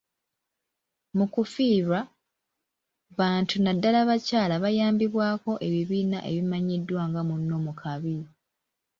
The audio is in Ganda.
Mu kufiirwa, bantu naddala bakyala bayambibwako ebibiina ebimanyiddwa nga “Munno mu kabi.”